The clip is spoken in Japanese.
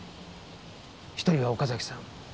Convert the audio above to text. １人は岡崎さん。